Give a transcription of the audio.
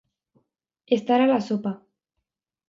Estar a la sopa.